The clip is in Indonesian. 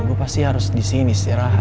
gue pasti harus di sini istirahat